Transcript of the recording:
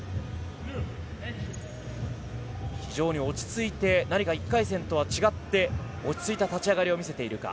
非常に落ち着いて何か１回戦とは違って、落ち着いた立ち上がりを見せているか。